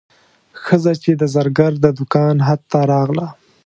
ښځه چې د زرګر د دوکان حد ته راغله.